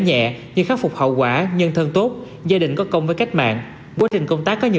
nhẹ như khắc phục hậu quả nhân thân tốt gia đình có công với cách mạng quá trình công tác có nhiều